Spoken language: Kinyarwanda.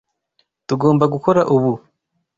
Tugomba gukora ubu.